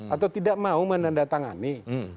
atau tidak mau menandatangani